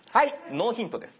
ノーヒントです。